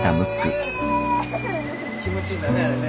気持ちいいんだねあれね。